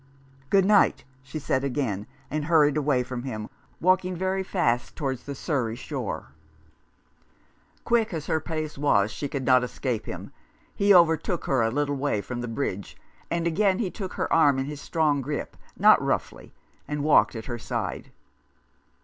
" Good night," she said again, and hurried away from him, walking very fast towards the Surrey shore. Quick as her pace was she could not escape him. He overtook her a little way from the bridge, and again he took her arm in his strong grip, not roughly, and walked at her side.